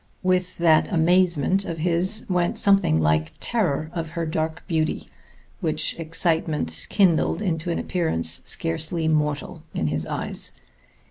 With that amazement of his went something like terror of her dark beauty, which excitement kindled into an appearance scarcely mortal in his eyes.